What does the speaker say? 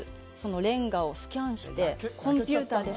レンガをスキャンして、コンピューターで。